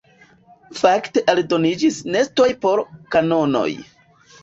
Fakte aldoniĝis nestoj por kanonoj.